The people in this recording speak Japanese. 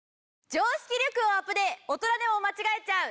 常識力をアプデ大人でも間違えちゃう！？